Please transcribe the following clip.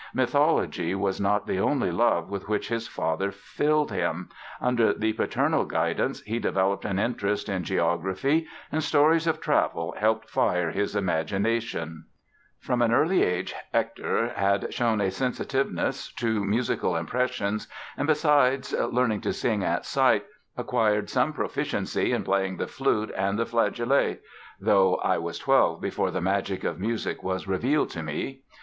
Mythology was not the only love with which his father filled him; under the paternal guidance he developed an interest in geography and stories of travel helped fire his imagination. [Illustration: Birthplace—La Côte Saint André] From an early age Hector had shown a sensitiveness to musical impressions and, besides learning to sing at sight, acquired some proficiency in playing the flute and the flageolet—though "I was twelve before the magic of music was revealed to me".